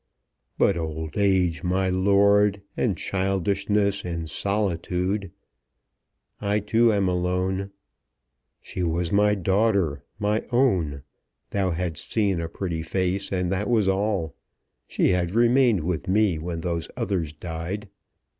"But old age, my lord, and childishness, and solitude " "I, too, am alone." "She was my daughter, my own. Thou hadst seen a pretty face, and that was all. She had remained with me when those others died.